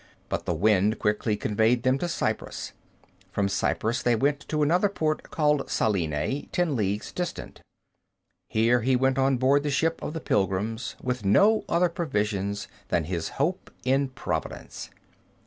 But the wind quickly conveyed them to Cyprus. From Cyprus they went to another port called Salinae, ten leagues distant. Here he went on board the ship of the pilgrims, with no other provision than his hope in Providence.